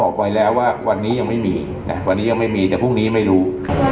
บอกไว้แล้วว่าวันนี้ยังไม่มีนะวันนี้ยังไม่มีแต่พรุ่งนี้ไม่รู้